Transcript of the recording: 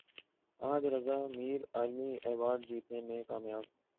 احد رضا میر عالمی ایوارڈ جیتنے میں کامیاب